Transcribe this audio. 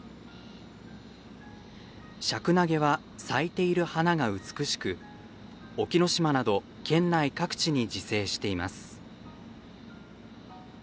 シャクナゲは咲いている花が美しく隠岐の島など県内各地に自生しています。